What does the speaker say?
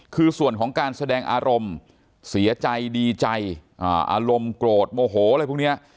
คือส่วนของการแสดงอารมณ์เสียใจดีใจอารมณ์โกรธโมโหอะไรพวกนี้